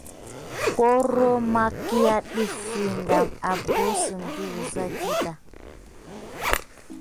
Koro makia ɗefi abosune de wuza ɗiɗa.